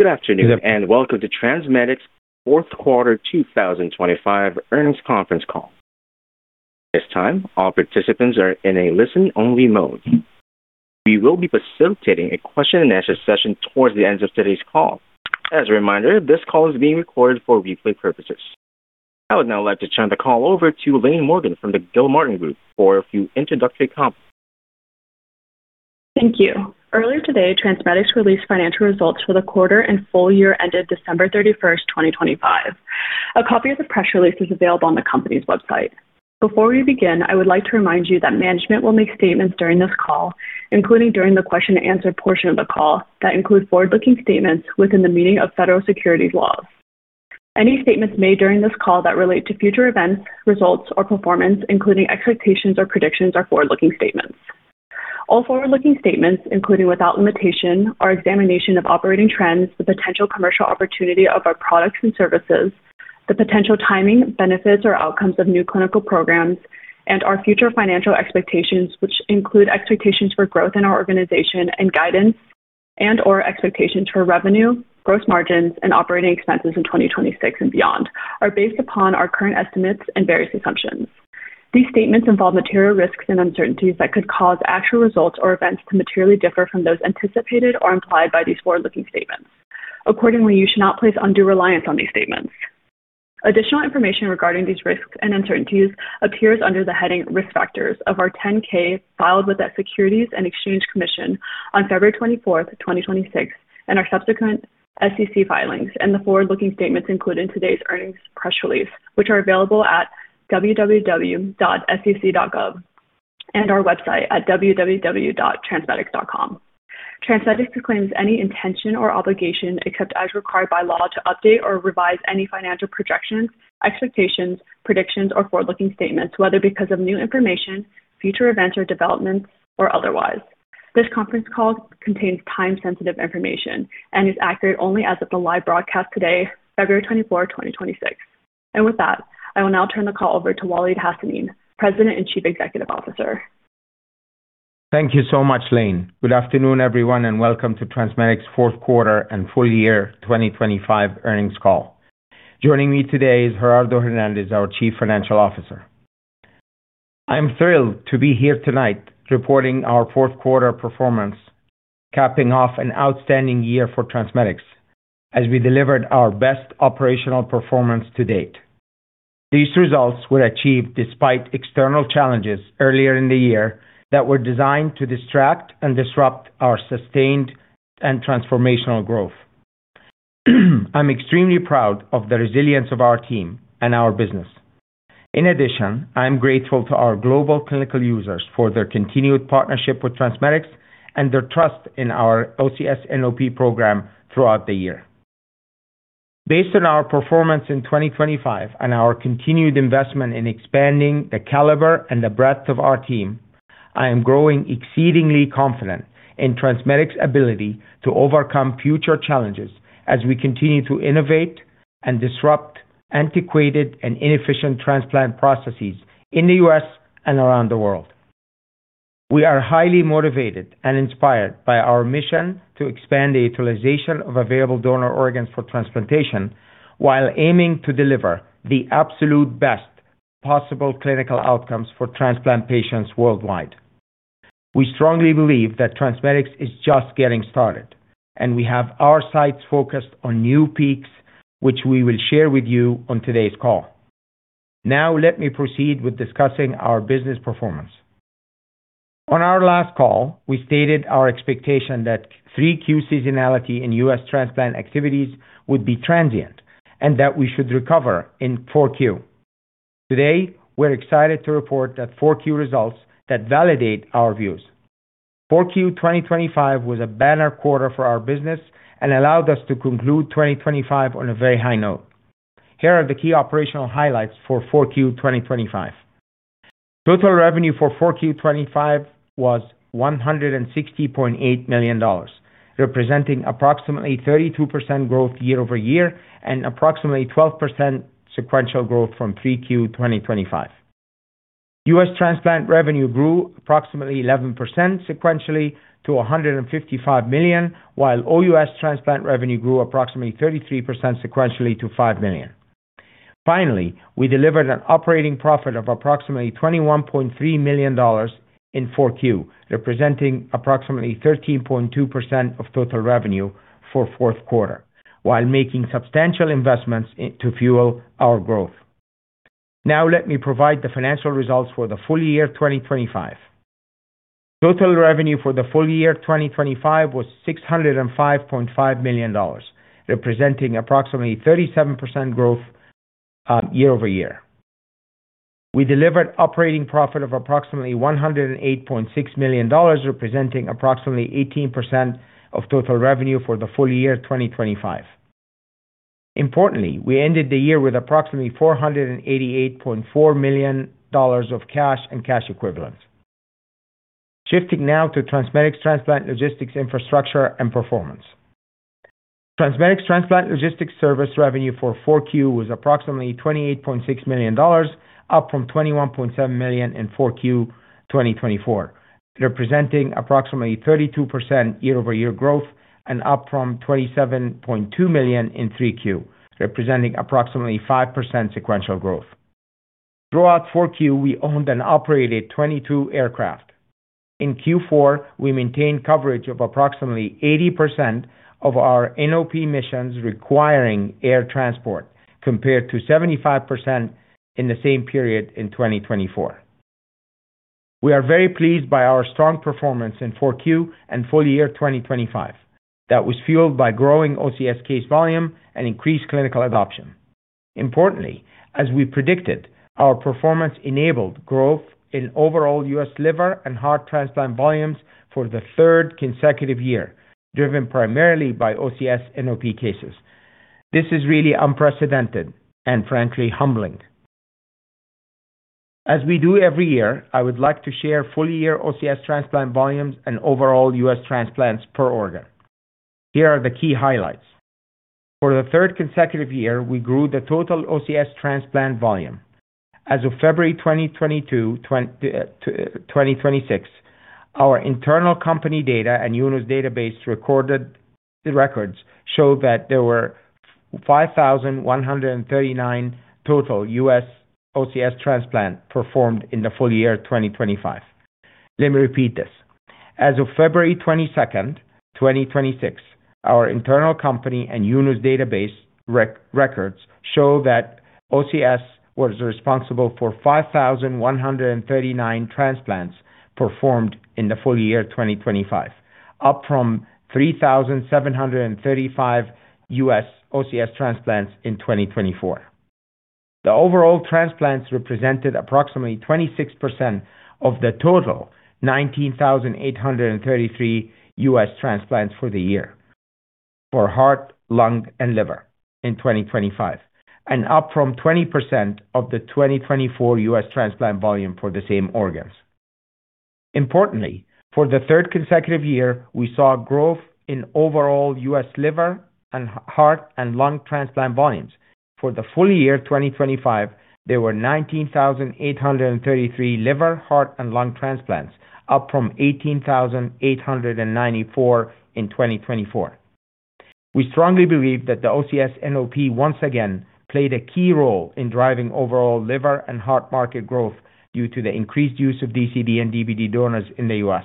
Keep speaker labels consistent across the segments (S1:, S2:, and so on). S1: Good afternoon, and welcome to TransMedics' fourth quarter 2025 earnings conference call. At this time, all participants are in a listen-only mode. We will be facilitating a question-and-answer session towards the end of today's call. As a reminder, this call is being recorded for replay purposes. I would now like to turn the call over to Laine Morgan from the Gilmartin Group for a few introductory comments.
S2: Thank you. Earlier today, TransMedics released financial results for the quarter and full-year ended December 31st, 2025. A copy of the press release is available on the company's website. Before we begin, I would like to remind you that management will make statements during this call, including during the question-and-answer portion of the call, that include forward-looking statements within the meaning of federal securities laws. Any statements made during this call that relate to future events, results, or performance, including expectations or predictions, are forward-looking statements. All forward-looking statements, including without limitation, our examination of operating trends, the potential commercial opportunity of our products and services, the potential timing, benefits or outcomes of new clinical programs, and our future financial expectations, which include expectations for growth in our organization and guidance and/or expectations for revenue, gross margins, and operating expenses in 2026 and beyond, are based upon our current estimates and various assumptions. These statements involve material risks and uncertainties that could cause actual results or events to materially differ from those anticipated or implied by these forward-looking statements. Accordingly, you should not place undue reliance on these statements. Additional information regarding these risks and uncertainties appears under the heading Risk Factors of our 10-K filed with the Securities and Exchange Commission on February 24th, 2026, and our subsequent SEC filings and the forward-looking statements included in today's earnings press release, which are available at www.sec.gov and our website at www.transmedics.com. TransMedics disclaims any intention or obligation, except as required by law, to update or revise any financial projections, expectations, predictions, or forward-looking statements, whether because of new information, future events or developments, or otherwise. This conference call contains time-sensitive information and is accurate only as of the live broadcast today, February 24, 2026. With that, I will now turn the call over to Waleed Hassanein, President and Chief Executive Officer.
S3: Thank you so much, Laine. Good afternoon, everyone, and welcome to TransMedics' fourth quarter and full-year 2025 earnings call. Joining me today is Gerardo Hernandez, our Chief Financial Officer. I am thrilled to be here tonight reporting our fourth quarter performance, capping off an outstanding year for TransMedics as we delivered our best operational performance to date. These results were achieved despite external challenges earlier in the year that were designed to distract and disrupt our sustained and transformational growth. I'm extremely proud of the resilience of our team and our business. In addition, I'm grateful to our global clinical users for their continued partnership with TransMedics and their trust in our OCS NOP program throughout the year. Based on our performance in 2025 and our continued investment in expanding the caliber and the breadth of our team, I am growing exceedingly confident in TransMedics' ability to overcome future challenges as we continue to innovate and disrupt antiquated and inefficient transplant processes in the U.S. and around the world. We are highly motivated and inspired by our mission to expand the utilization of available donor organs for transplantation, while aiming to deliver the absolute best possible clinical outcomes for transplant patients worldwide. We strongly believe that TransMedics is just getting started, and we have our sights focused on new peaks, which we will share with you on today's call. Let me proceed with discussing our business performance. On our last call, we stated our expectation that Q3 seasonality in U.S. transplant activities would be transient and that we should recover in Q4. Today, we're excited to report that Q4 results that validate our views. Q4 2025 was a banner quarter for our business and allowed us to conclude 2025 on a very high note. Here are the key operational highlights for Q4 2025. Total revenue for Q4 2025 was $160.8 million, representing approximately 32% growth year-over-year and approximately 12% sequential growth from Q3 2025. U.S. transplant revenue grew approximately 11% sequentially to $155 million, while OUS transplant revenue grew approximately 33% sequentially to $5 million. Finally, we delivered an operating profit of approximately $21.3 million in Q4, representing approximately 13.2% of total revenue for fourth quarter, while making substantial investments to fuel our growth. Now, let me provide the financial results for the full-year 2025. Total revenue for the full-year 2025 was $605.5 million, representing approximately 37% growth year-over-year. We delivered operating profit of approximately $108.6 million, representing approximately 18% of total revenue for the full-year 2025. Importantly, we ended the year with approximately $488.4 million of cash and cash equivalents. Shifting now to TransMedics transplant logistics, infrastructure, and performance. TransMedics transplant logistics service revenue for Q4 was approximately $28.6 million, up from $21.7 million in Q4 2024, representing approximately 32% year-over-year growth and up from $27.2 million in Q3, representing approximately 5% sequential growth.... Throughout Q4, we owned and operated 22 aircraft. In Q4, we maintained coverage of approximately 80% of our NOP missions requiring air transport, compared to 75% in the same period in 2024. We are very pleased by our strong performance in Q4 and full-year 2025. That was fueled by growing OCS case volume and increased clinical adoption. Importantly, as we predicted, our performance enabled growth in overall U.S. liver and heart transplant volumes for the 3rd consecutive year, driven primarily by OCS NOP cases. This is really unprecedented and frankly, humbling. As we do every year, I would like to share full-year OCS transplant volumes and overall U.S. transplants per organ. Here are the key highlights: For the 3rd consecutive year, we grew the total OCS transplant volume. As of February 2022... 2026, our internal company data and UNOS database records show that there were 5,139 total U.S. OCS transplant performed in the full-year 2025. Let me repeat this. As of February 22nd, 2026, our internal company and UNOS database records show that OCS was responsible for 5,139 transplants performed in the full-year 2025, up from 3,735 U.S. OCS transplants in 2024. The overall transplants represented approximately 26% of the total 19,833 U.S. transplants for the year, for heart, lung and liver in 2025, and up from 20% of the 2024 U.S. transplant volume for the same organs. Importantly, for the third consecutive year, we saw growth in overall U.S. liver and heart and lung transplant volumes. For the full-year 2025, there were 19,833 liver, heart, and lung transplants, up from 18,894 in 2024. We strongly believe that the OCS NOP once again played a key role in driving overall liver and heart market growth due to the increased use of DCD and DBD donors in the U.S.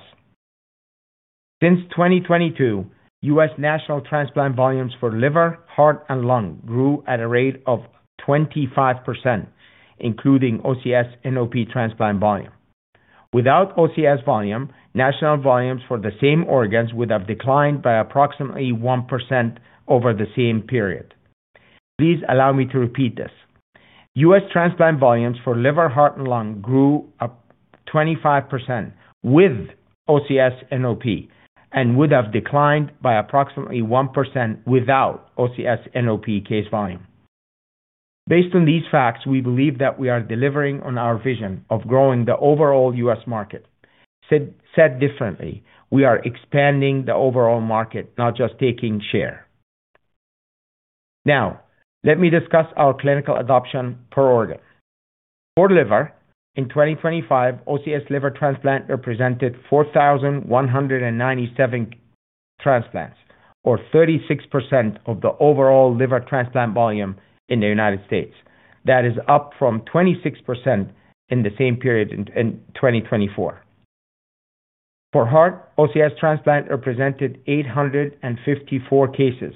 S3: Since 2022, U.S. national transplant volumes for liver, heart and lung grew at a rate of 25%, including OCS NOP transplant volume. Without OCS volume, national volumes for the same organs would have declined by approximately 1% over the same period. Please allow me to repeat this: U.S. transplant volumes for liver, heart and lung grew up 25% with OCS NOP, and would have declined by approximately 1% without OCS NOP case volume. Based on these facts, we believe that we are delivering on our vision of growing the overall U.S. market. Said differently, we are expanding the overall market, not just taking share. Now, let me discuss our clinical adoption per organ. For liver, in 2025, OCS liver transplant represented 4,197 transplants, or 36% of the overall liver transplant volume in the United States. That is up from 26% in the same period in 2024. For heart, OCS transplant represented 854 cases,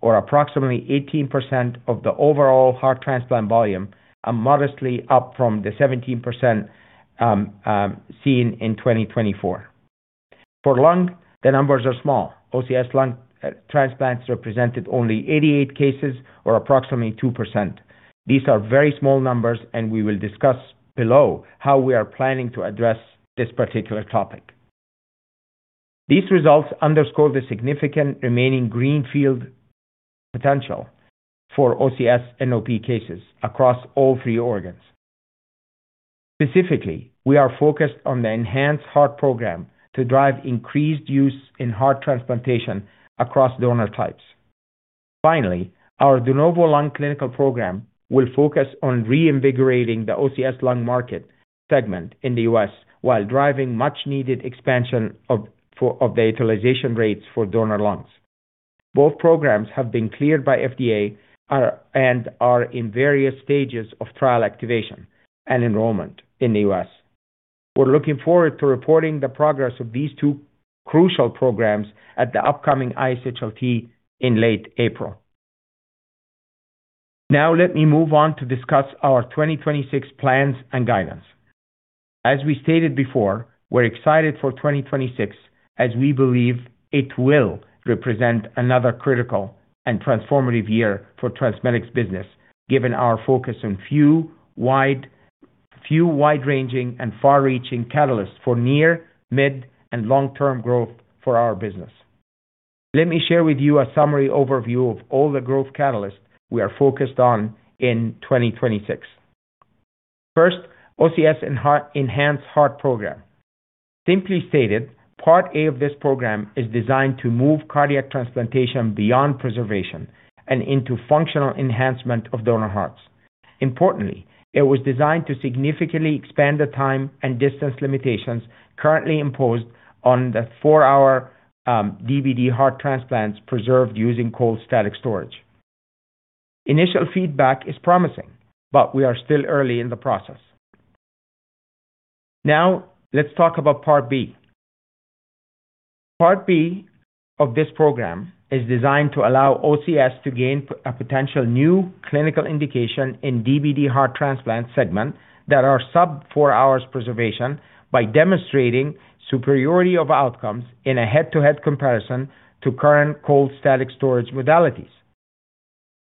S3: or approximately 18% of the overall heart transplant volume, and modestly up from the 17% seen in 2024. For lung, the numbers are small. OCS lung transplants represented only 88 cases, or approximately 2%. These are very small numbers. We will discuss below how we are planning to address this particular topic. These results underscore the significant remaining greenfield potential for OCS NOP cases across all three organs. Specifically, we are focused on the enhanced heart program to drive increased use in heart transplantation across donor types. Finally, our de novo lung clinical program will focus on reinvigorating the OCS lung market segment in the U.S., while driving much needed expansion of the utilization rates for donor lungs. Both programs have been cleared by FDA and are in various stages of trial activation and enrollment in the U.S. We're looking forward to reporting the progress of these two crucial programs at the upcoming ISHLT in late April. Let me move on to discuss our 2026 plans and guidance. As we stated before, we're excited for 2026, as we believe it will represent another critical and transformative year for TransMedics business, given our focus on few wide-ranging and far-reaching catalysts for near, mid, and long-term growth for our business. Let me share with you a summary overview of all the growth catalysts we are focused on in 2026. First, OCS and Enhanced Heart Program. Simply stated, Part A of this program is designed to move cardiac transplantation beyond preservation and into functional enhancement of donor hearts. Importantly, it was designed to significantly expand the time and distance limitations currently imposed on the 4-hour DBD heart transplants preserved using cold static storage. Initial feedback is promising, but we are still early in the process. Let's talk about Part B. Part B of this program is designed to allow OCS to gain a potential new clinical indication in DBD heart transplant segment that are sub 4 hours preservation by demonstrating superiority of outcomes in a head-to-head comparison to current cold static storage modalities.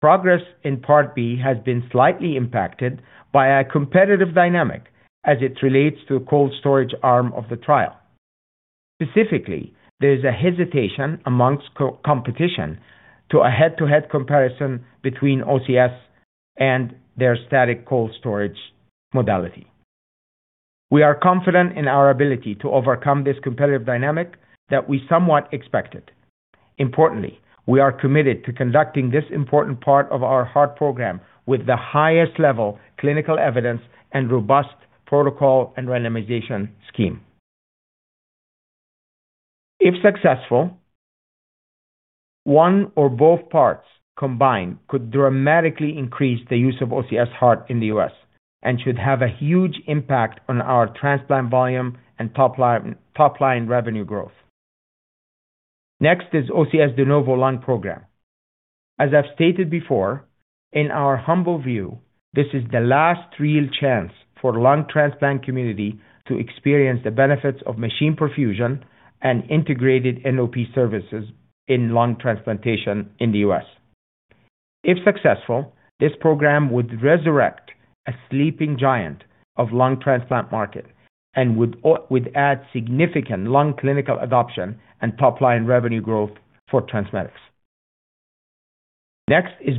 S3: Progress in Part B has been slightly impacted by a competitive dynamic as it relates to cold storage arm of the trial. Specifically, there is a hesitation amongst co-competition to a head-to-head comparison between OCS and their static cold storage modality. We are confident in our ability to overcome this competitive dynamic that we somewhat expected. Importantly, we are committed to conducting this important part of our heart program with the highest level clinical evidence and robust protocol and randomization scheme. If successful, one or both parts combined could dramatically increase the use of OCS Heart in the U.S. and should have a huge impact on our transplant volume and top line revenue growth. OCS De Novo lung program. As I've stated before, in our humble view, this is the last real chance for lung transplant community to experience the benefits of machine perfusion and integrated NOP services in lung transplantation in the U.S. If successful, this program would resurrect a sleeping giant of lung transplant market and would add significant lung clinical adoption and top line revenue growth for TransMedics.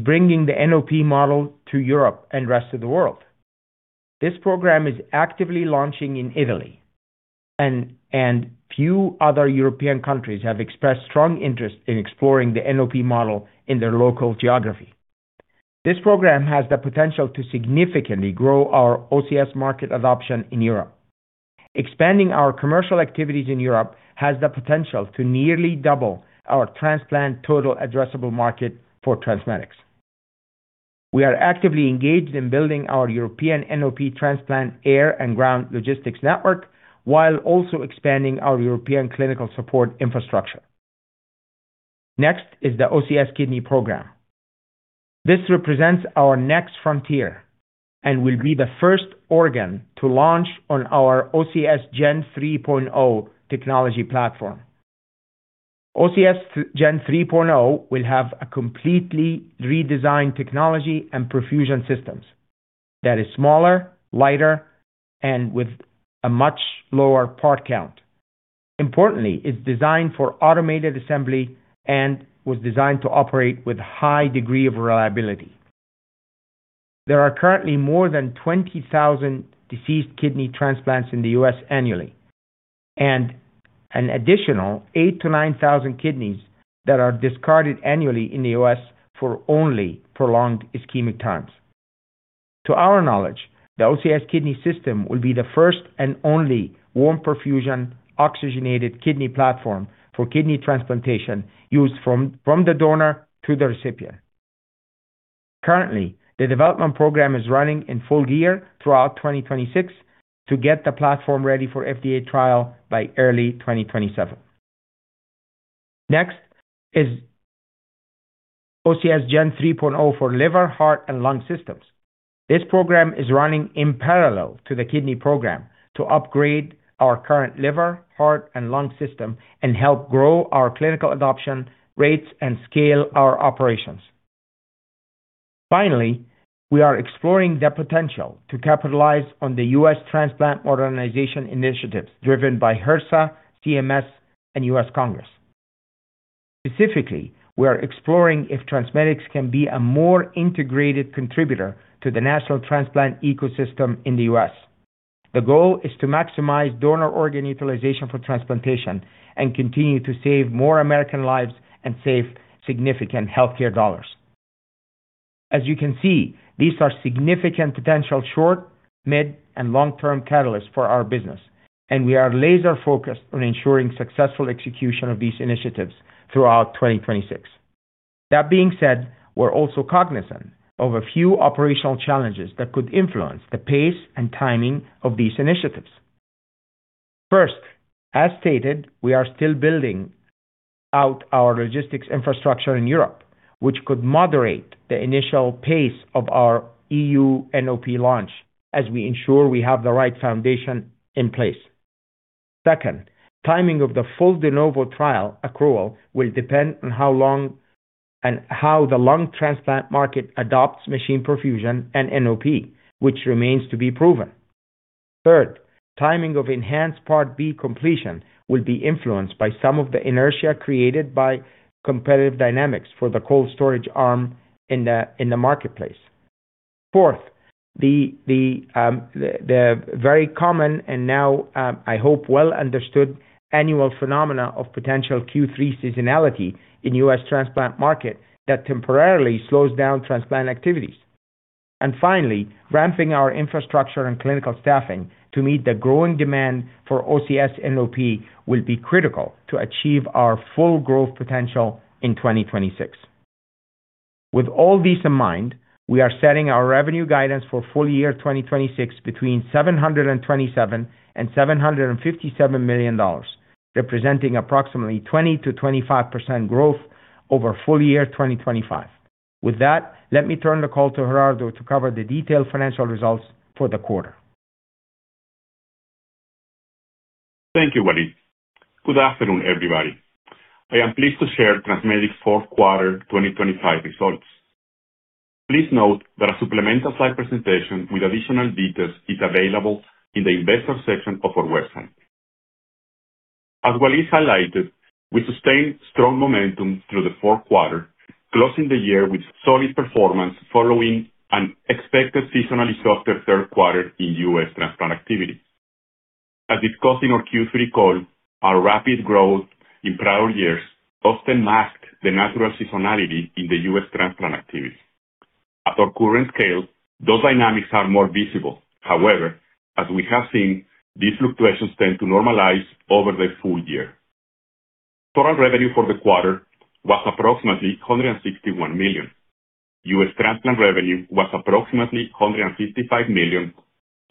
S3: Bringing the NOP model to Europe and rest of the world. This program is actively launching in Italy, and few other European countries have expressed strong interest in exploring the NOP model in their local geography. This program has the potential to significantly grow our OCS market adoption in Europe. Expanding our commercial activities in Europe has the potential to nearly double our transplant total addressable market for TransMedics. We are actively engaged in building our European NOP transplant air and ground logistics network, while also expanding our European clinical support infrastructure. Next is the OCS kidney program. This represents our next frontier and will be the first organ to launch on our OCS Gen 3.0 technology platform. OCS Gen 3.0 will have a completely redesigned technology and perfusion systems that is smaller, lighter, and with a much lower part count. Importantly, it's designed for automated assembly and was designed to operate with high degree of reliability. There are currently more than 20,000 deceased kidney transplants in the U.S. annually, and an additional 8,000-9,000 kidneys that are discarded annually in the U.S. for only prolonged ischemic times. To our knowledge, the OCS Kidney System will be the first and only warm perfusion oxygenated kidney platform for kidney transplantation used from the donor to the recipient. Currently, the development program is running in full gear throughout 2026 to get the platform ready for FDA trial by early 2027. Next is OCS Gen 3.0 for liver, heart, and lung systems. This program is running in parallel to the Kidney Program to upgrade our current liver, heart, and lung system and help grow our clinical adoption rates and scale our operations. Finally, we are exploring the potential to capitalize on the U.S. transplant modernization initiatives driven by HRSA, CMS, and U.S. Congress. Specifically, we are exploring if TransMedics can be a more integrated contributor to the national transplant ecosystem in the U.S. The goal is to maximize donor organ utilization for transplantation and continue to save more American lives and save significant healthcare dollars. As you can see, these are significant potential short, mid, and long-term catalysts for our business, and we are laser focused on ensuring successful execution of these initiatives throughout 2026. That being said, we're also cognizant of a few operational challenges that could influence the pace and timing of these initiatives. First, as stated, we are still building out our logistics infrastructure in Europe, which could moderate the initial pace of our EU NOP launch as we ensure we have the right foundation in place. Second, timing of the full De Novo trial accrual will depend on how long and how the lung transplant market adopts machine perfusion and NOP, which remains to be proven. Third, timing of Enhanced Part B completion will be influenced by some of the inertia created by competitive dynamics for the cold storage arm in the marketplace. Fourth, the very common and now, I hope, well-understood annual phenomena of potential Q3 seasonality in U.S. transplant market that temporarily slows down transplant activities. Finally, ramping our infrastructure and clinical staffing to meet the growing demand for OCS NOP will be critical to achieve our full growth potential in 2026. With all this in mind, we are setting our revenue guidance for full-year 2026 between $727 and 757 million, representing approximately 20%-25% growth over full-year 2025. With that, let me turn the call to Gerardo to cover the detailed financial results for the quarter.
S4: Thank you, Waleed. Good afternoon, everybody. I am pleased to share TransMedics' fourth quarter 2025 results. Please note that a supplemental slide presentation with additional details is available in the investor section of our website. As Waleed highlighted, we sustained strong momentum through the fourth quarter, closing the year with solid performance following an expected seasonally softer third quarter in U.S. transplant activity. As discussed in our Q3 call, our rapid growth in prior years often masked the natural seasonality in the U.S. transplant activities. At our current scale, those dynamics are more visible. As we have seen, these fluctuations tend to normalize over the full-year. Total revenue for the quarter was approximately $161 million. U.S. transplant revenue was approximately $155 million,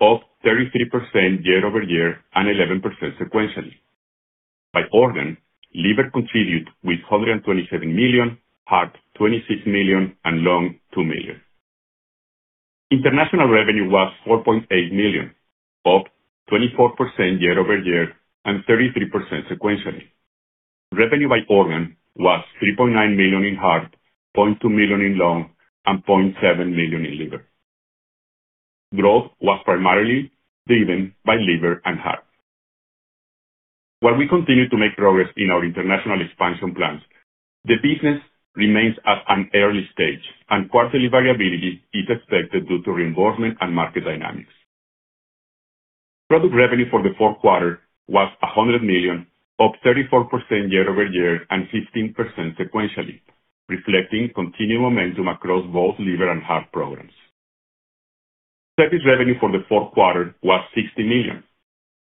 S4: up 33% year-over-year and 11% sequentially. By organ, liver contributed with $127 million, heart, $26 million, and lung, $2 million. International revenue was $4.8 million, up 24% year-over-year and 33% sequentially. Revenue by organ was $3.9 million in heart, $0.2 million in lung, and $0.7 million in liver. Growth was primarily driven by liver and heart. While we continue to make progress in our international expansion plans, the business remains at an early stage, and quarterly variability is expected due to reimbursement and market dynamics. Product revenue for the fourth quarter was $100 million, up 34% year-over-year and 15% sequentially, reflecting continued momentum across both liver and heart programs. Service revenue for the fourth quarter was $60 million,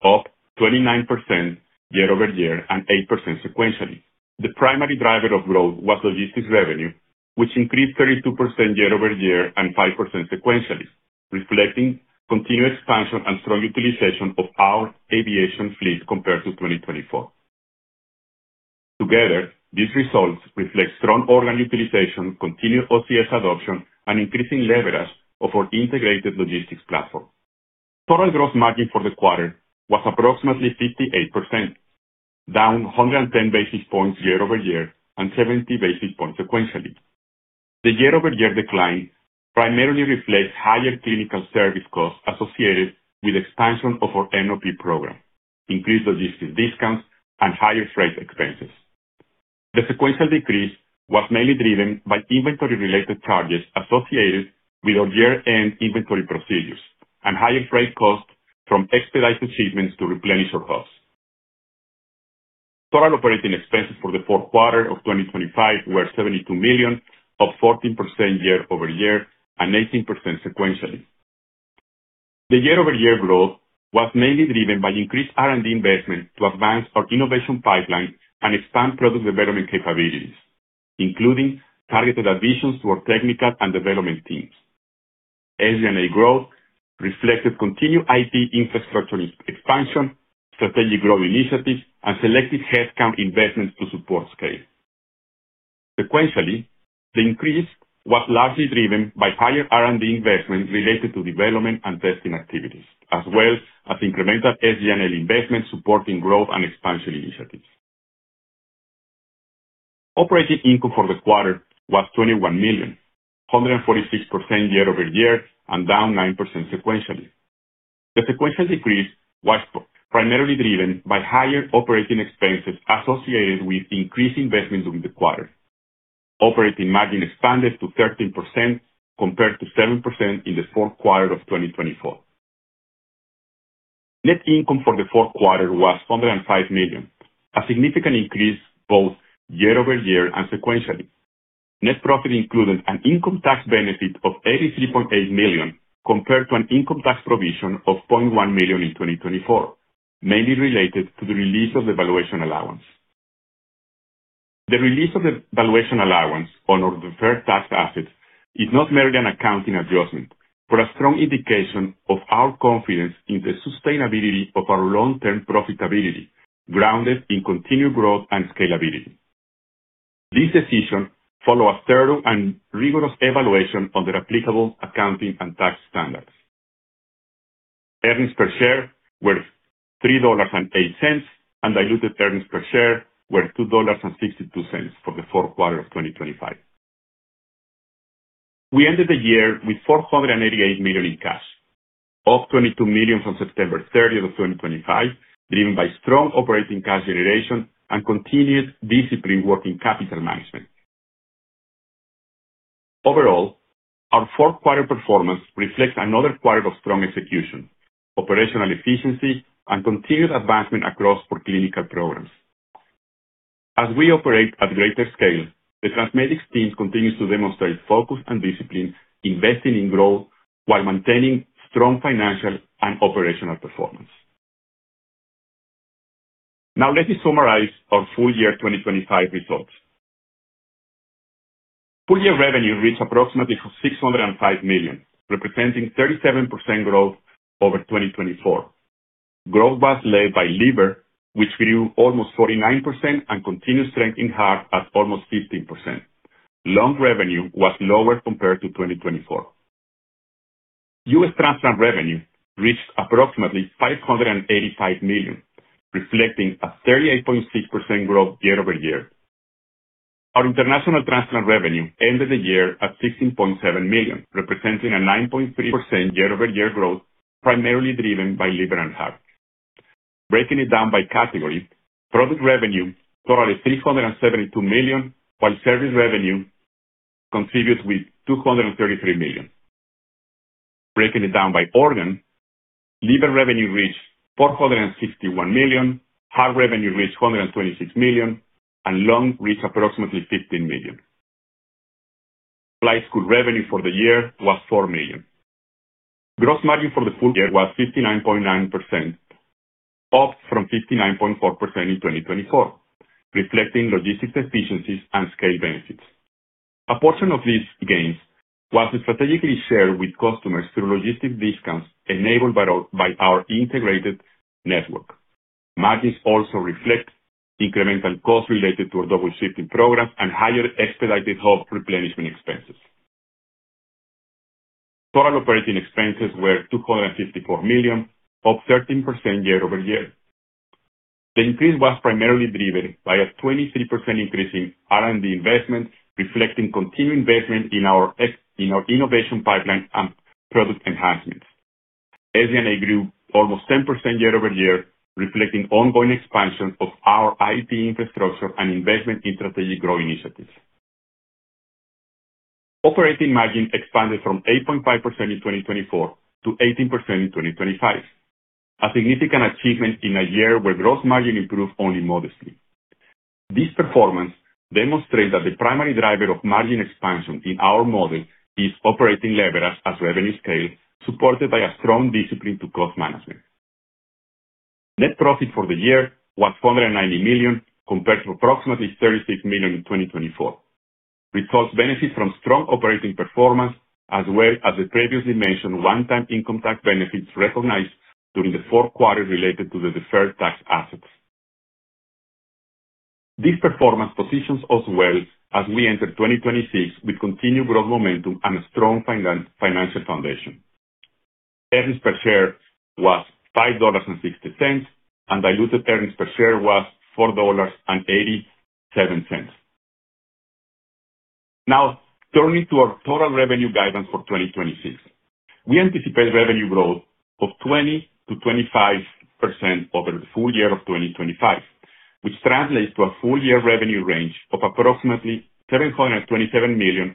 S4: up 29% year-over-year and 8% sequentially. The primary driver of growth was logistics revenue, which increased 32% year-over-year and 5% sequentially, reflecting continued expansion and strong utilization of our aviation fleet compared to 2024. Together, these results reflect strong organ utilization, continued OCS adoption, and increasing leverage of our integrated logistics platform. Total gross margin for the quarter was approximately 58%, down 110 basis points year-over-year and 70 basis points sequentially. The year-over-year decline primarily reflects higher clinical service costs associated with expansion of our NOP program, increased logistics discounts, and higher freight expenses. The sequential decrease was mainly driven by inventory-related charges associated with our year-end inventory procedures and higher freight costs from expedited shipments to replenish our costs. Total operating expenses for the fourth quarter of 2025 were $72 million, up 14% year-over-year and 18% sequentially. The year-over-year growth was mainly driven by increased R&D investment to advance our innovation pipeline and expand product development capabilities, including targeted additions to our technical and development teams. SG&A growth reflected continued IT infrastructure expansion, strategic growth initiatives, and selective headcount investments to support scale. Sequentially, the increase was largely driven by higher R&D investments related to development and testing activities, as well as incremental SG&A investments supporting growth and expansion initiatives. Operating income for the quarter was $21 million, 146% year-over-year and down 9% sequentially. The sequential decrease was primarily driven by higher operating expenses associated with increased investments during the quarter. Operating margin expanded to 13%, compared to 7% in the fourth quarter of 2024. Net income for the fourth quarter was $105 million, a significant increase both year-over-year and sequentially. Net profit included an income tax benefit of $83.8 million, compared to an income tax provision of $0.1 million in 2024, mainly related to the release of the valuation allowance. The release of the valuation allowance on our deferred tax assets is not merely an accounting adjustment, but a strong indication of our confidence in the sustainability of our long-term profitability, grounded in continued growth and scalability. This decision followed a thorough and rigorous evaluation of the applicable accounting and tax standards. Earnings per share were $3.08, and diluted earnings per share were $2.62 for the fourth quarter of 2025. We ended the year with $488 million in cash, up $22 million from September 30th of 2025, driven by strong operating cash generation and continuous disciplined working capital management. Overall, our fourth quarter performance reflects another quarter of strong execution, operational efficiency, and continued advancement across our clinical programs. As we operate at greater scale, the TransMedics team continues to demonstrate focus and discipline, investing in growth while maintaining strong financial and operational performance. Let me summarize our full-year 2025 results. full-year revenue reached approximately $605 million, representing 37% growth over 2024. Growth was led by liver, which grew almost 49%, and continued strength in heart at almost 15%. Lung revenue was lower compared to 2024. U.S. transplant revenue reached approximately $585 million, reflecting a 38.6% growth year-over-year. Our international transplant revenue ended the year at $16.7 million, representing a 9.3% year-over-year growth, primarily driven by liver and heart. Breaking it down by category, product revenue totaling $372 million, while service revenue contributed with $233 million. Breaking it down by organ, liver revenue reached $461 million, heart revenue reached $126 million, and lung reached approximately $15 million. School revenue for the year was $4 million. Gross margin for the full-year was 59.9%, up from 59.4% in 2024, reflecting logistics efficiencies and scale benefits. A portion of these gains was strategically shared with customers through logistic discounts enabled by our integrated network. Margins also reflect incremental costs related to our double shifting program and higher expedited hub replenishment expenses. Total operating expenses were $254 million, up 13% year-over-year. The increase was primarily driven by a 23% increase in R&D investments, reflecting continuing investment in our innovation pipeline and product enhancements. SG&A grew almost 10% year-over-year, reflecting ongoing expansion of our IT infrastructure and investment in strategic growth initiatives. Operating margin expanded from 8.5% in 2024 to 18% in 2025, a significant achievement in a year where gross margin improved only modestly. This performance demonstrates that the primary driver of margin expansion in our model is operating leverage as revenue scale, supported by a strong discipline to cost management. Net profit for the year was $490 million, compared to approximately $36 million in 2024. We saw benefits from strong operating performance, as well as the previously mentioned one-time income tax benefits recognized during the fourth quarter related to the deferred tax assets. This performance positions us well as we enter 2026 with continued growth momentum and a strong financial foundation. Earnings per share was $5.60, and diluted earnings per share was $4.87. Now, turning to our total revenue guidance for 2026. We anticipate revenue growth of 20%-25% over the full-year of 2025, which translates to a full-year revenue range of approximately $727-757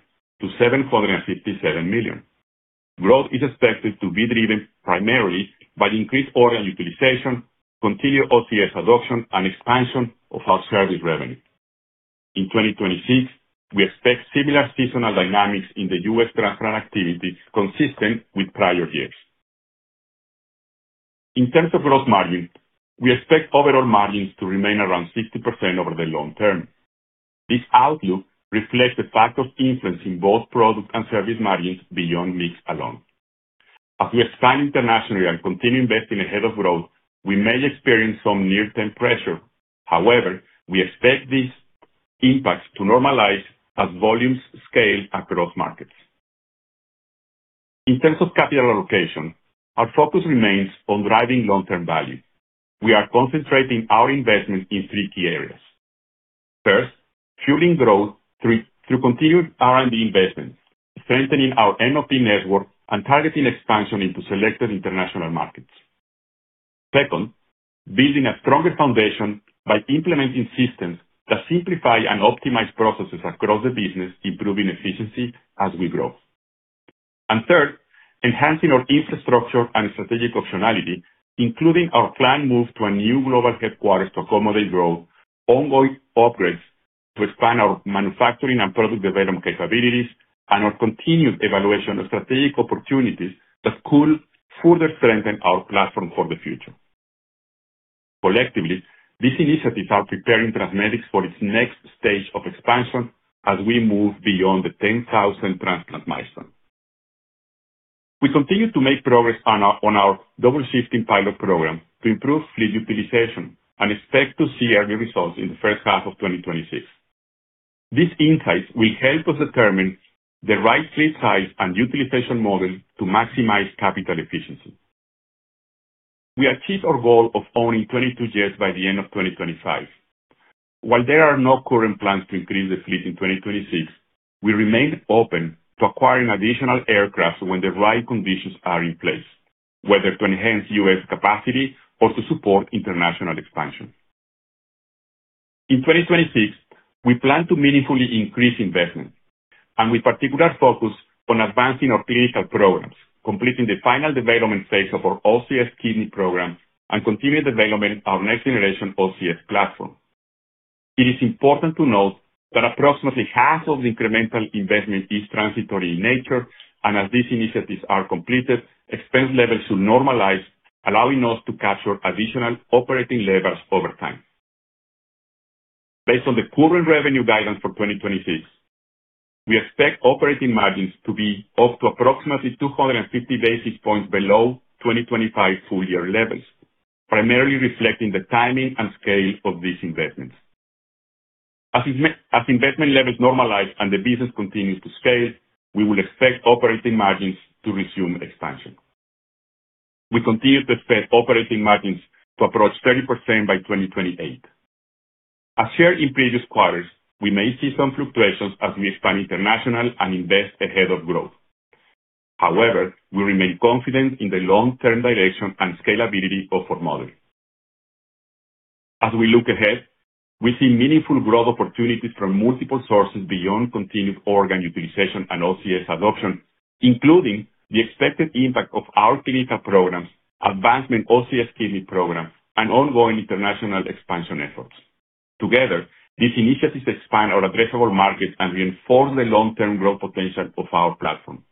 S4: million. Growth is expected to be driven primarily by increased organ utilization, continued OCS adoption, and expansion of our service revenue. In 2026, we expect similar seasonal dynamics in the U.S. transplant activity, consistent with prior years. In terms of gross margin, we expect overall margins to remain around 60% over the long term. This outlook reflects the fact of influence in both product and service margins beyond mix alone. As we expand internationally and continue investing ahead of growth, we may experience some near-term pressure. However, we expect these impacts to normalize as volumes scale across markets. In terms of capital allocation, our focus remains on driving long-term value. We are concentrating our investment in three key areas. First, fueling growth through continued R&D investments, strengthening our NOP network, and targeting expansion into selected international markets. Second, building a stronger foundation by implementing systems that simplify and optimize processes across the business, improving efficiency as we grow. Third, enhancing our infrastructure and strategic functionality, including our planned move to a new global headquarters to accommodate growth, ongoing upgrades to expand our manufacturing and product development capabilities, and our continued evaluation of strategic opportunities that could further strengthen our platform for the future. Collectively, these initiatives are preparing TransMedics for its next stage of expansion as we move beyond the 10,000 transplant milestone. We continue to make progress on our double shifting pilot program to improve fleet utilization and expect to see early results in the first half of 2026. These insights will help us determine the right fleet size and utilization model to maximize capital efficiency. We achieved our goal of owning 22 jets by the end of 2025. While there are no current plans to increase the fleet in 2026, we remain open to acquiring additional aircraft when the right conditions are in place, whether to enhance U.S. capacity or to support international expansion. In 2026, we plan to meaningfully increase investment and with particular focus on advancing our clinical programs, completing the final development phase of our OCS kidney program, and continue development of our next generation OCS platform. It is important to note that approximately half of the incremental investment is transitory in nature, and as these initiatives are completed, expense levels should normalize, allowing us to capture additional operating levers over time. Based on the current revenue guidance for 2026, we expect operating margins to be up to approximately 250 basis points below 2025 full-year levels, primarily reflecting the timing and scale of these investments. As investment levels normalize and the business continues to scale, we will expect operating margins to resume expansion. We continue to expect operating margins to approach 30% by 2028. As shared in previous quarters, we may see some fluctuations as we expand international and invest ahead of growth. However, we remain confident in the long-term direction and scalability of our model. As we look ahead, we see meaningful growth opportunities from multiple sources beyond continued organ utilization and OCS adoption, including the expected impact of our clinical programs, advancement OCS kidney program, and ongoing international expansion efforts. Together, these initiatives expand our addressable markets and reinforce the long-term growth potential of our platform.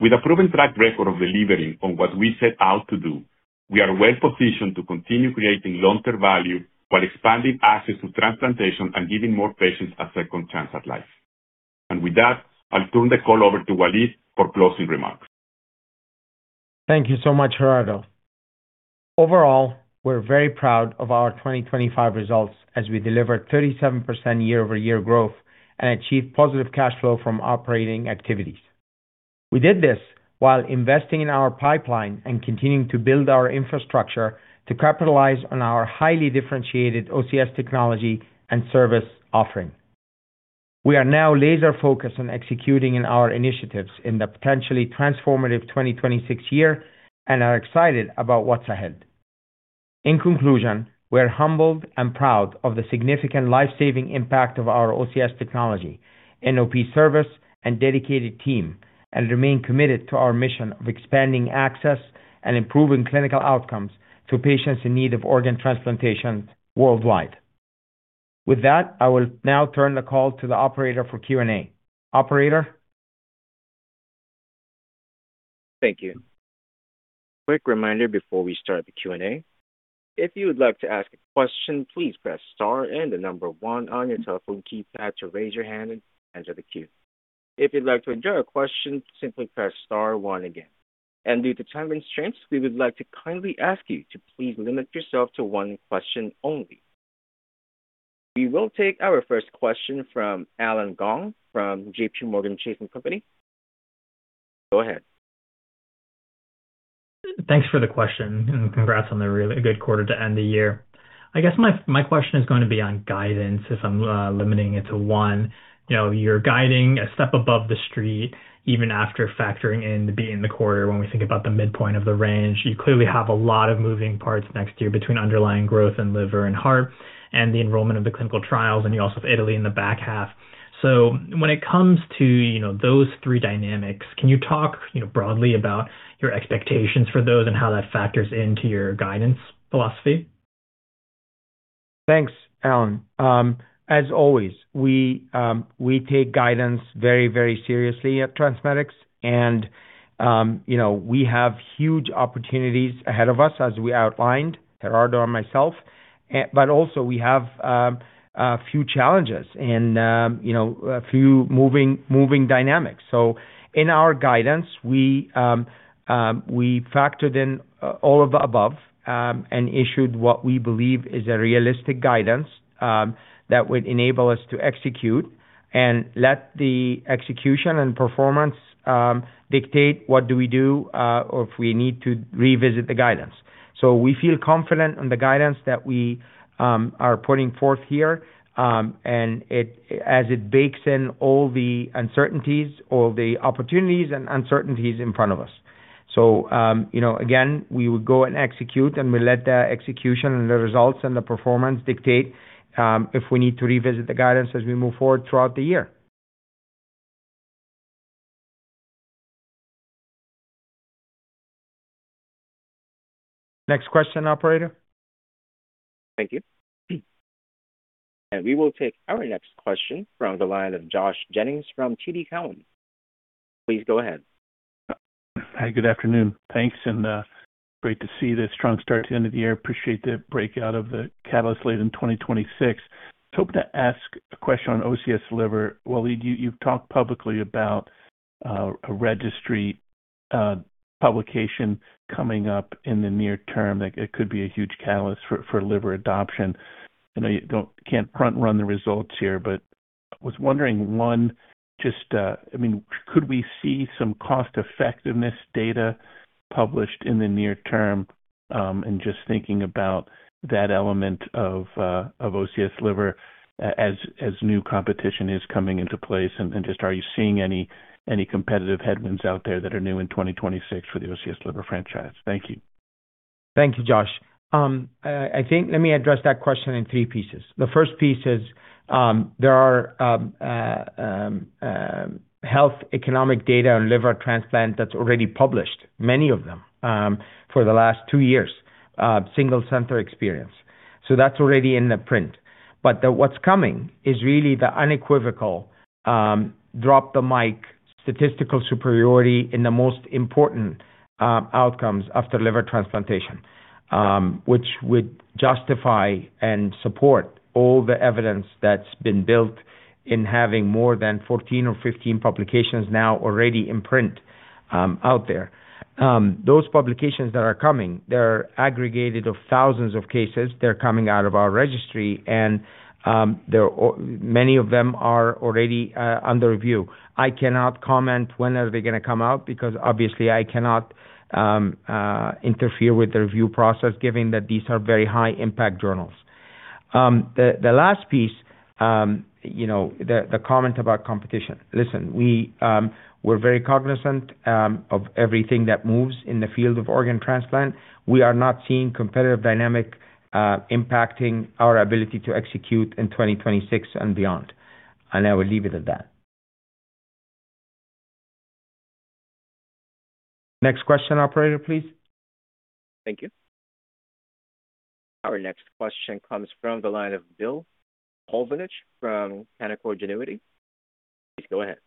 S4: With a proven track record of delivering on what we set out to do, we are well positioned to continue creating long-term value while expanding access to transplantation and giving more patients a second chance at life. With that, I'll turn the call over to Waleed for closing remarks.
S3: Thank you so much, Gerardo. Overall, we're very proud of our 2025 results as we delivered 37% year-over-year growth and achieved positive cash flow from operating activities. We did this while investing in our pipeline and continuing to build our infrastructure to capitalize on our highly differentiated OCS technology and service offering. We are now laser-focused on executing in our initiatives in the potentially transformative 2026 year and are excited about what's ahead. In conclusion, we are humbled and proud of the significant life-saving impact of our OCS technology and NOP service and dedicated team, and remain committed to our mission of expanding access and improving clinical outcomes to patients in need of organ transplantation worldwide. With that, I will now turn the call to the operator for Q&A. Operator?
S1: Thank you. Quick reminder before we start the Q&A. If you would like to ask a question, please press star and the one on your telephone keypad to raise your hand and enter the queue. If you'd like to withdraw a question, simply press star one again. Due to time constraints, we would like to kindly ask you to please limit yourself to one question only. We will take our first question from Allen Gong from JPMorgan Chase & Co. Go ahead.
S5: Thanks for the question. Congrats on the really good quarter to end the year. I guess my question is going to be on guidance, if I'm limiting it to one. You know, you're guiding a step above the street, even after factoring in the beat in the quarter. When we think about the midpoint of the range, you clearly have a lot of moving parts next year between underlying growth and liver and heart and the enrollment of the clinical trials, and you also have Italy in the back half. When it comes to, you know, those three dynamics, can you talk, you know, broadly about your expectations for those and how that factors into your guidance philosophy?
S3: Thanks, Alan. As always, we take guidance very, very seriously at TransMedics, and, you know, we have huge opportunities ahead of us, as we outlined, Gerardo and myself. Also we have a few challenges and, you know, a few moving dynamics. In our guidance, we factored in all of the above, and issued what we believe is a realistic guidance that would enable us to execute and let the execution and performance dictate what do we do, or if we need to revisit the guidance. We feel confident on the guidance that we are putting forth here, as it bakes in all the uncertainties, all the opportunities and uncertainties in front of us. you know, again, we will go and execute, and we let the execution and the results and the performance dictate, if we need to revisit the guidance as we move forward throughout the year. Next question, operator.
S1: Thank you. We will take our next question from the line of Josh Jennings from TD Cowen. Please go ahead.
S6: Hi, good afternoon. Thanks, great to see the strong start to the end of the year. Appreciate the breakout of the catalyst late in 2026. Just hope to ask a question on OCS Liver. Waleed, you've talked publicly about a registry publication coming up in the near term. It could be a huge catalyst for liver adoption. I know you can't front run the results here, but I was wondering, one, just, I mean, could we see some cost-effectiveness data published in the near term? Just thinking about that element of OCS Liver as new competition is coming into place and just are you seeing any competitive headwinds out there that are new in 2026 for the OCS Liver franchise? Thank you.
S3: Thank you, Josh. I think let me address that question in three pieces. The first piece is, there are health economic data on liver transplant that's already published, many of them, for the last two years, single center experience. That's already in the print. What's coming is really the unequivocal, drop the mic, statistical superiority in the most important outcomes after liver transplantation, which would justify and support all the evidence that's been built in having more than 14 or 15 publications now already in print, out there. Those publications that are coming, they're aggregated of thousands of cases, they're coming out of our registry, and many of them are already under review. I cannot comment when are they gonna come out because obviously I cannot interfere with the review process given that these are very high impact journals. The last piece, you know, the comment about competition. Listen, we're very cognizant of everything that moves in the field of organ transplant. We are not seeing competitive dynamic impacting our ability to execute in 2026 and beyond, and I will leave it at that. Next question, operator, please.
S1: Thank you. Our next question comes from the line of Bill Plovanic from Canaccord Genuity. Please go ahead.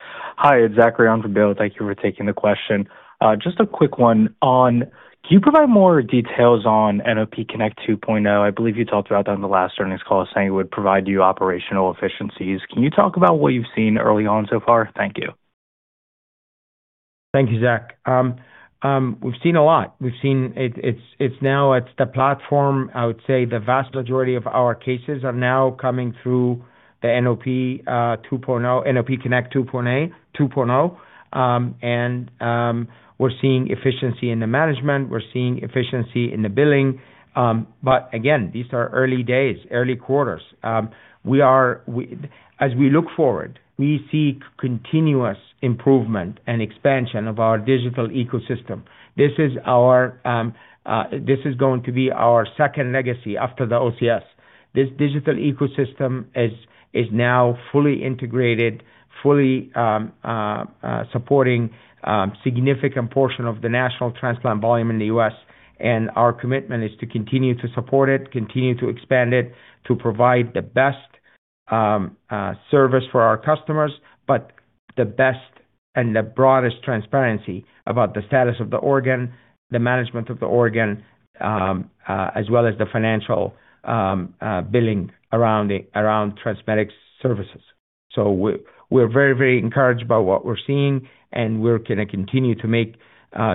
S7: Hi, it's Zachary, I'm from Bill. Thank you for taking the question. Just a quick one. Can you provide more details on NOP Connect 2.0? I believe you talked about that on the last earnings call, saying it would provide you operational efficiencies. Can you talk about what you've seen early on so far? Thank you.
S3: Thank you, Zach. We've seen a lot. We've seen it's now at the platform, I would say the vast majority of our cases are now coming through the NOP 2.0, NOP Connect 2.0. We're seeing efficiency in the management, we're seeing efficiency in the billing. Again, these are early days, early quarters. As we look forward, we see continuous improvement and expansion of our digital ecosystem. This is our second legacy after the OCS. This digital ecosystem is now fully integrated, fully supporting significant portion of the national transplant volume in the U.S. Our commitment is to continue to support it, continue to expand it, to provide the best service for our customers, but the best and the broadest transparency about the status of the organ, the management of the organ, as well as the financial billing around TransMedics services. We're very encouraged by what we're seeing. We're gonna continue to make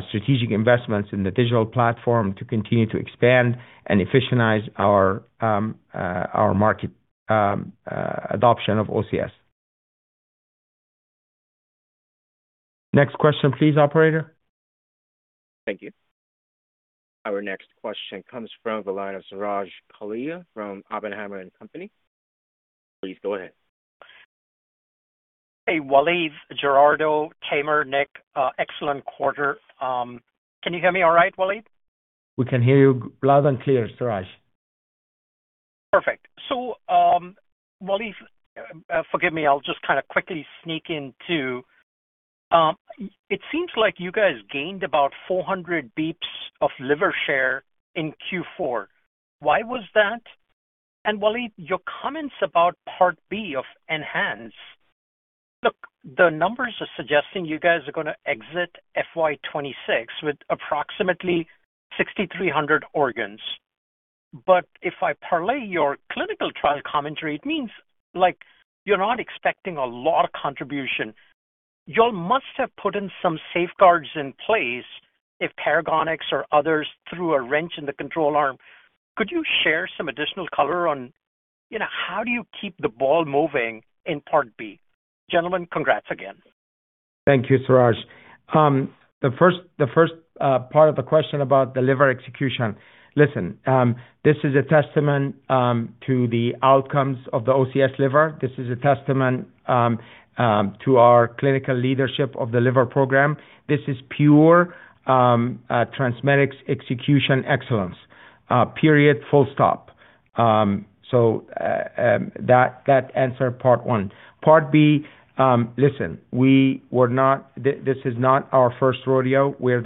S3: strategic investments in the digital platform to continue to expand and efficientize our market adoption of OCS. Next question, please, operator.
S1: Thank you. Our next question comes from the line of Suraj Kalia from Oppenheimer & Co. Please go ahead.
S8: Hey, Waleed, Gerardo, Tamer, Nick. Excellent quarter. Can you hear me all right, Waleed?
S3: We can hear you loud and clear, Suraj.
S8: Perfect. Waleed, forgive me, I'll just kind of quickly sneak into. It seems like you guys gained about 400 bps of liver share in Q4. Why was that? Waleed, your comments about Part B of OCS ENHANCE. Look, the numbers are suggesting you guys are gonna exit FY 2026 with approximately 6,300 organs. If I parlay your clinical trial commentary, it means, like, you're not expecting a lot of contribution. You all must have put in some safeguards in place if Paragonix or others threw a wrench in the control arm. Could you share some additional color on, you know, how do you keep the ball moving in Part B? Gentlemen, congrats again.
S3: Thank you, Suraj. The first part of the question about the liver execution. Listen, this is a testament to the outcomes of the OCS liver. This is a testament to our clinical leadership of the liver program. This is pure TransMedics execution excellence. Period, full stop. That answered part one. Part B, listen, this is not our first rodeo. We're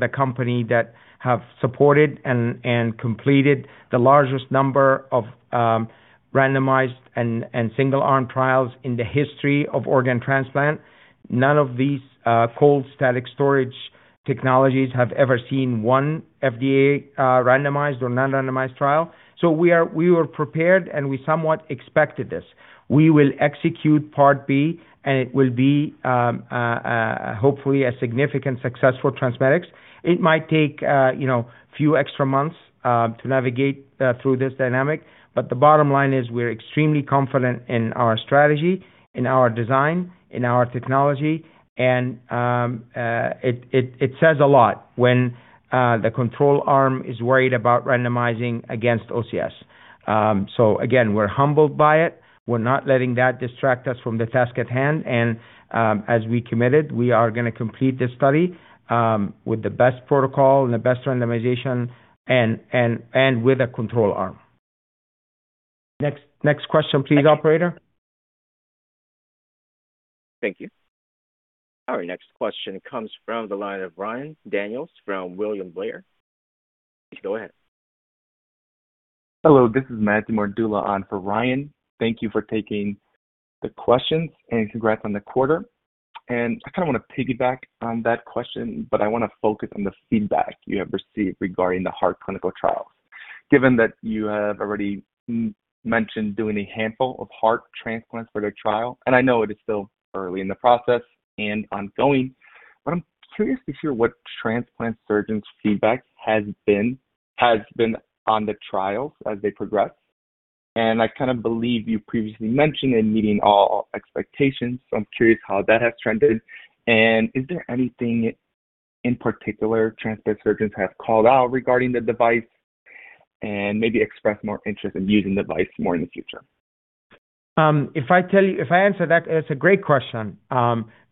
S3: the company that have supported and completed the largest number of randomized and single-arm trials in the history of organ transplant. None of these cold static storage technologies have ever seen one FDA randomized or non-randomized trial. We were prepared, and we somewhat expected this. We will execute part B. It will be hopefully a significant success for TransMedics. It might take you know, few extra months to navigate through this dynamic. The bottom line is we're extremely confident in our strategy, in our design, in our technology, and it says a lot when the control arm is worried about randomizing against OCS. Again, we're humbled by it. We're not letting that distract us from the task at hand. As we committed, we are gonna complete this study with the best protocol and the best randomization and with a control arm. Next question, please, operator.
S1: Thank you. Our next question comes from the line of Ryan Daniels from William Blair. Please go ahead.
S9: Hello, this is Matthew O'Brien on for Ryan. Thank you for taking the questions, and congrats on the quarter. I kind of want to piggyback on that question, but I want to focus on the feedback you have received regarding the heart clinical trials. Given that you have already mentioned doing a handful of heart transplants for the trial, and I know it is still early in the process and ongoing, but I'm curious to hear what transplant surgeons' feedback has been on the trials as they progress. I kind of believe you previously mentioned in meeting all expectations, so I'm curious how that has trended. Is there anything in particular transplant surgeons have called out regarding the device and maybe expressed more interest in using the device more in the future?
S3: If I tell you, if I answer that's a great question,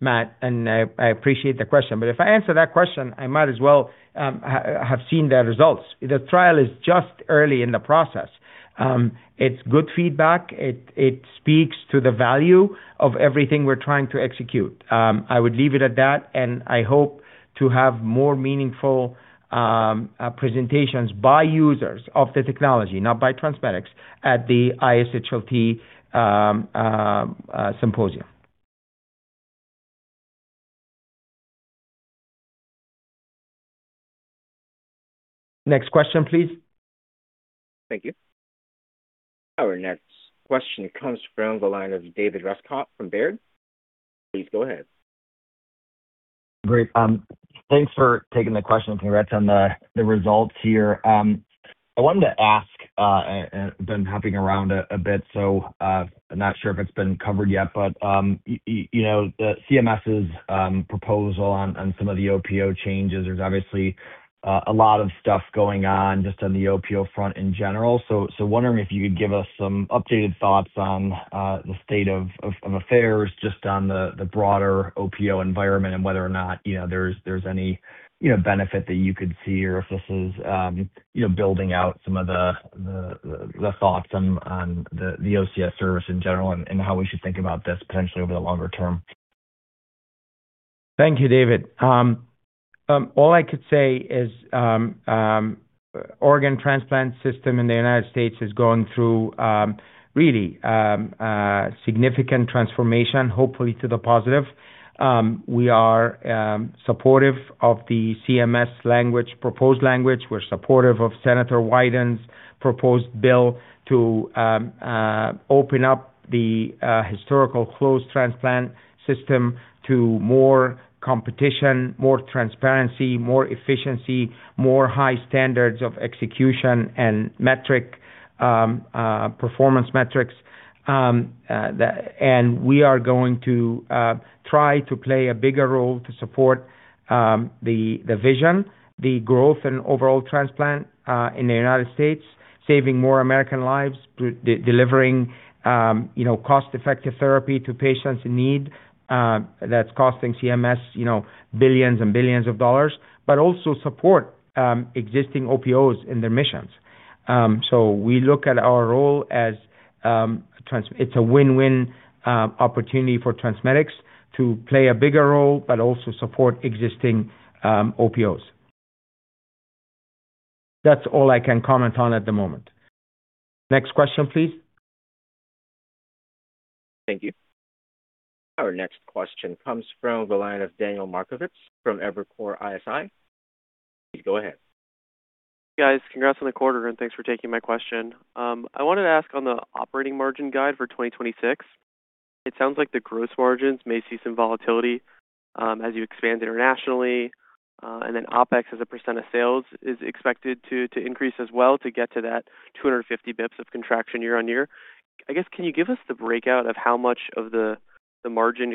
S3: Matt, and I appreciate the question. If I answer that question, I might as well have seen the results. The trial is just early in the process. It's good feedback. It speaks to the value of everything we're trying to execute. I would leave it at that, and I hope to have more meaningful presentations by users of the technology, not by TransMedics, at the ISHLT symposium. Next question, please.
S1: Thank you. Our next question comes from the line of David Rescott from Baird. Please go ahead.
S10: Great. Thanks for taking the question. Congrats on the results here. I wanted to ask, been hopping around a bit, so I'm not sure if it's been covered yet, but you know, the CMS's proposal on some of the OPO changes, there's obviously a lot of stuff going on just on the OPO front in general. Wondering if you could give us some updated thoughts on the state of affairs just on the broader OPO environment and whether or not, you know, there's any, you know, benefit that you could see or if this is, you know, building out some of the thoughts on the OCS service in general and how we should think about this potentially over the longer term.
S3: Thank you, David. All I could say is organ transplant system in the United States is going through really a significant transformation, hopefully to the positive. We are supportive of the CMS language, proposed language. We're supportive of Senator Wyden's proposed bill to open up the historical closed transplant system to more competition, more transparency, more efficiency, more high standards of execution and metric performance metrics. We are going to try to play a bigger role to support the vision, the growth and overall transplant in the United States, saving more American lives, delivering, you know, cost-effective therapy to patients in need, that's costing CMS, you know, billions and billions of dollars, but also support existing OPOs in their missions. We look at our role as it's a win-win opportunity for TransMedics to play a bigger role but also support existing OPOs. That's all I can comment on at the moment. Next question, please.
S1: Thank you. Our next question comes from the line of Daniel Markowitz from Evercore ISI. Please go ahead.
S11: Guys, congrats on the quarter, and thanks for taking my question. I wanted to ask on the operating margin guide for 2026. It sounds like the gross margins may see some volatility as you expand internationally, and then OpEx as a percent of sales is expected to increase as well to get to that 250 bps of contraction year-over-year. I guess, can you give us the breakout of how much of the margin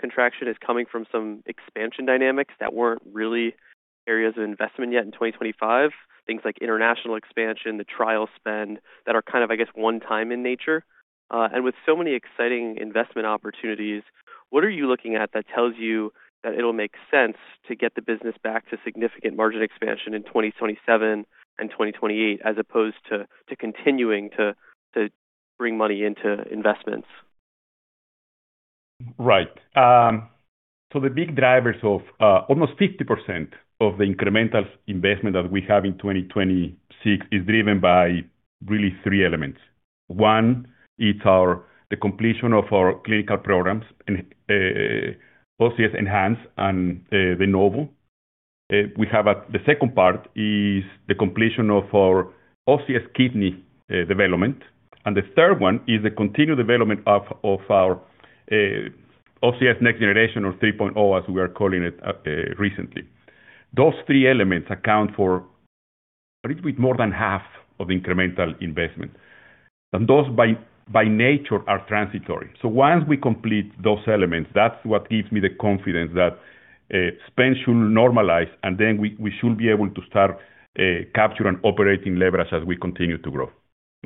S11: contraction is coming from some expansion dynamics that weren't really areas of investment yet in 2025? Things like international expansion, the trial spend, that are kind of, I guess, one-time in nature? With so many exciting investment opportunities, what are you looking at that tells you that it'll make sense to get the business back to significant margin expansion in 2027 and 2028, as opposed to continuing to bring money into investments?
S4: Right. The big drivers of almost 50% of the incremental investment that we have in 2026 is driven by really 3 elements. One, it's the completion of our clinical programs, OCS ENHANCE and the Novo. The second part is the completion of our OCS Kidney development, and the third one is the continued development of our OCS next generation or 3.0, as we are calling it recently. Those 3 elements account for a little bit more than half of incremental investment, and those, by nature, are transitory. Once we complete those elements, that's what gives me the confidence that spend should normalize, and then we should be able to start capture and operating leverage as we continue to grow.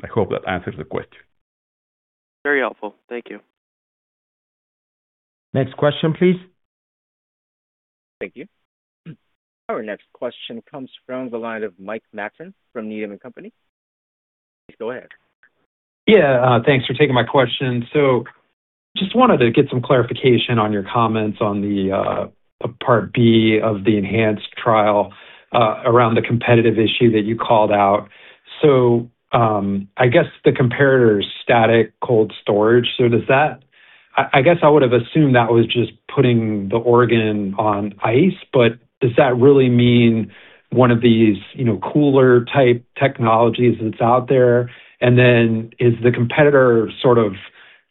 S4: I hope that answers the question.
S11: Very helpful. Thank you.
S3: Next question, please.
S1: Thank you. Our next question comes from the line of Mike Matson from Needham & Company. Please go ahead.
S12: Yeah, thanks for taking my question. Just wanted to get some clarification on your comments on the part B of the ENHANCE trial around the competitive issue that you called out. I guess the comparator's static cold storage, does that really mean one of these, you know, cooler type technologies that's out there? Is the competitor sort of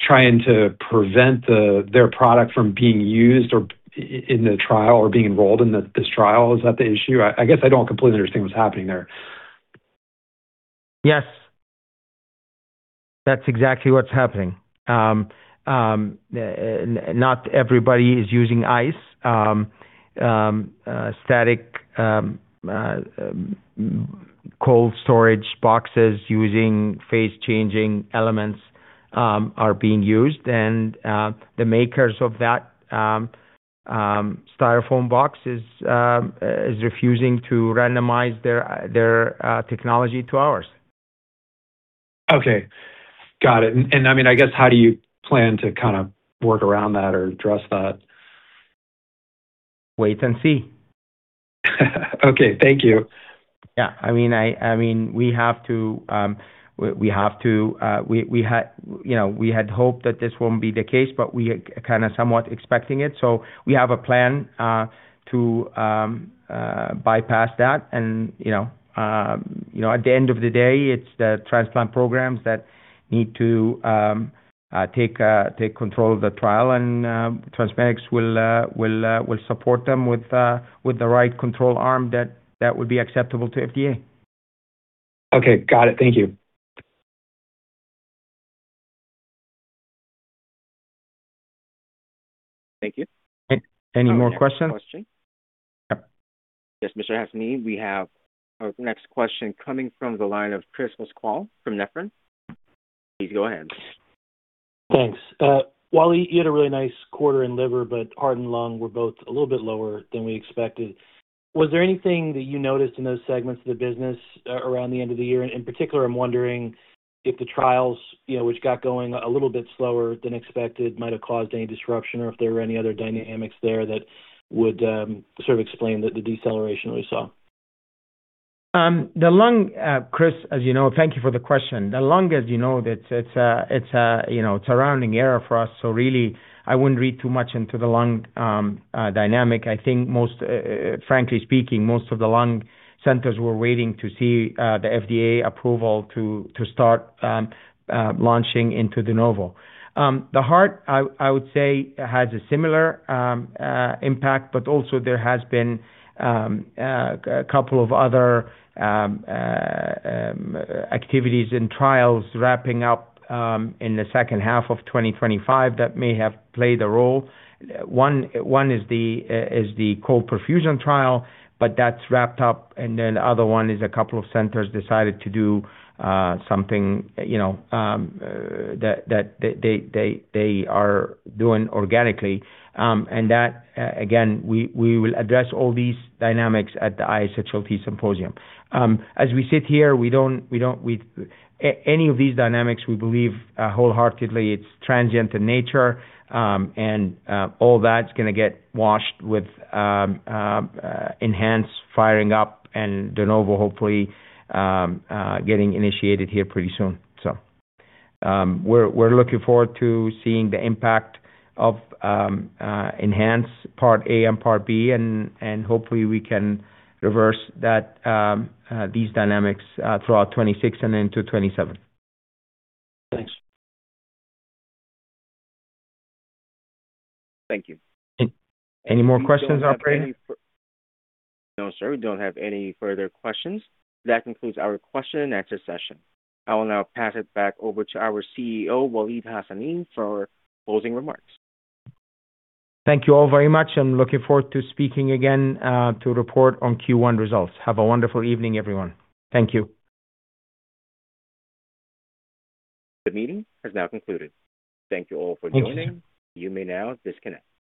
S12: trying to prevent their product from being used or in the trial or being enrolled in this trial? Is that the issue? I guess I don't completely understand what's happening there.
S3: Yes. That's exactly what's happening. Not everybody is using ice. Static cold storage boxes using phase-changing elements are being used, and the makers of that Styrofoam box is refusing to randomize their technology to ours.
S12: Okay. Got it. I mean, I guess, how do you plan to kind of work around that or address that?
S3: Wait and see.
S12: Okay. Thank you.
S3: Yeah. I mean, we have to, we had, you know, we had hoped that this won't be the case, but we are kind of somewhat expecting it. We have a plan to bypass that and, you know, you know, at the end of the day, it's the transplant programs that need to take control of the trial. TransMedics will support them with the right control arm that would be acceptable to FDA.
S12: Okay. Got it. Thank you.
S1: Thank you. Any more questions? Question. Yep. Yes, Mr. Hassanein, we have our next question coming from the line of Chris Pasquale from Nephron. Please go ahead.
S13: Thanks. Waleed, you had a really nice quarter in liver, but heart and lung were both a little bit lower than we expected. Was there anything that you noticed in those segments of the business around the end of the year? In particular, I'm wondering if the trials, you know, which got going a little bit slower than expected, might have caused any disruption or if there were any other dynamics there that would sort of explain the deceleration we saw.
S3: The lung, Chris, as you know. Thank you for the question. The lung, as you know, that's, it's a, you know, it's a rounding error for us, really, I wouldn't read too much into the lung dynamic. I think most, frankly speaking, most of the lung centers were waiting to see the FDA approval to start launching into de novo. The heart, I would say, has a similar impact, also there has been a couple of other activities and trials wrapping up in the second half of 2025 that may have played a role. One is the cold perfusion trial, but that's wrapped up, and then the other one is a couple of centers decided to do something, you know, that they are doing organically. That, again, we will address all these dynamics at the ISHLT symposium. As we sit here, we don't any of these dynamics, we believe, wholeheartedly, it's transient in nature, and all that's gonna get washed with ENHANCE firing up and DENOVO, hopefully, getting initiated here pretty soon. We're looking forward to seeing the impact of ENHANCE part A and part B, and hopefully, we can reverse that these dynamics throughout 26 and into 27.
S13: Thanks.
S1: Thank you. Any more questions, operator? No, sir, we don't have any further questions. That concludes our question-and-answer session. I will now pass it back over to our CEO, Waleed Hassanein, for closing remarks.
S3: Thank you all very much. Looking forward to speaking again to report on Q1 results. Have a wonderful evening, everyone. Thank you.
S1: The meeting is now concluded. Thank you all for joining. You may now disconnect. Thank you.